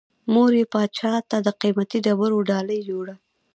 مور یې پاچا ته د قیمتي ډبرو ډالۍ یووړه.